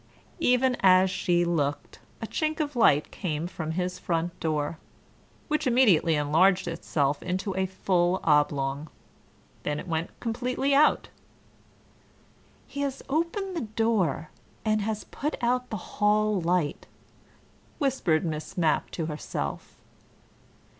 Even as she looked, a chink of light came from his front door, which immediately enlarged itself into a full oblong. Then it went completely out. "He has opened the door, and has put out the hall light," whispered Miss Mapp to herself.